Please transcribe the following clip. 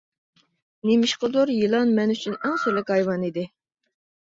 نېمىشقىدۇر يىلان مەن ئۈچۈن ئەڭ سۈرلۈك ھايۋان ئىدى.